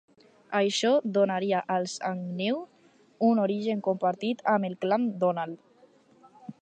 Això donaria als Agnew un origen compartit amb el clan Donald.